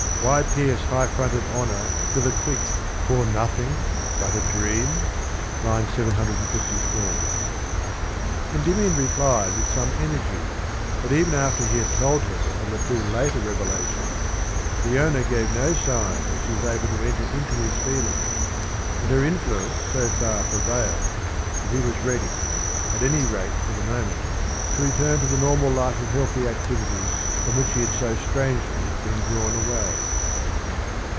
Why pierce high fronted honour to the quick For nothing but a dream?" (I. 754) Endymion replied with some energy, but even after he had told her of the two later revelations, Peona gave no sign that she was able to enter into his feelings, and her influence so far prevailed that he was ready, at any rate for the moment, to return to the normal life of healthy activity from which he had so strangely been drawn away.